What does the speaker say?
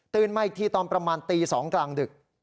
มาอีกทีตอนประมาณตี๒กลางดึก